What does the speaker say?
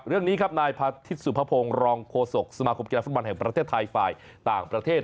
เรื่องนี้ครับนายพาทิศสุภพงศ์รองโฆษกสมาคมกีฬาฟุตบอลแห่งประเทศไทยฝ่ายต่างประเทศ